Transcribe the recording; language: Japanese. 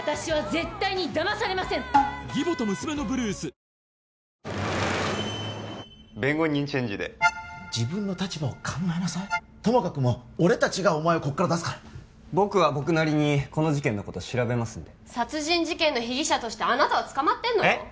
おうおう弁護人チェンジで自分の立場を考えなさいともかくも俺達がお前をこっから出すから僕は僕なりにこの事件のこと調べますんで殺人事件の被疑者として捕まってんのよえッ？